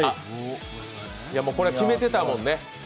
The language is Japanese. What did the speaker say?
もうこれ、決めてたもんね。